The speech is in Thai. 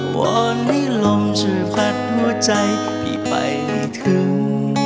วันนี้ลมช่วยผัดหัวใจพี่ไปได้ถึง